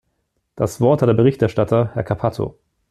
Das Wort hat der Berichterstatter, Herr Cappato.